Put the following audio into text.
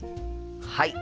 はい。